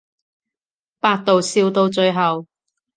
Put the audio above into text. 百度笑到最後